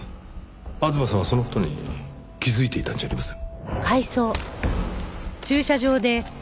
吾妻さんはその事に気づいていたんじゃありません？